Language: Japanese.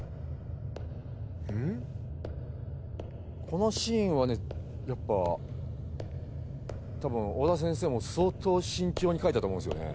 このシーンはねやっぱたぶん尾田先生も相当慎重にかいたと思うんすよね。